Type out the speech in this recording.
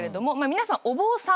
皆さんお坊さん